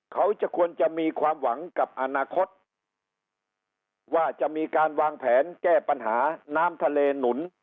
ควรจะควรจะมีความหวังกับอนาคตว่าจะมีการวางแผนแก้ปัญหาน้ำทะเลหนุน